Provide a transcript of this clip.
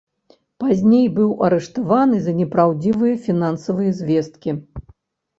Пазней быў арыштаваны за непраўдзівыя фінансавыя звесткі.